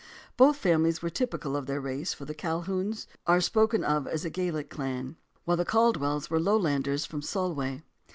Both famihes were typical of their race, for the Colquhouns are spoken of as a Gaelic clan, while the Caldwells were Lowlanders from the Solway.